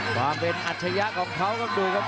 ความเป็นอัธยะของเขาก็ดูครับ